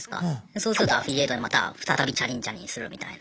そうするとアフィリエイトでまた再びチャリンチャリンするみたいな。